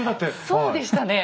そうでしたね。